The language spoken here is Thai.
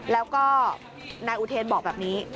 แล้วก็นายอุเทนบอกแบบนี้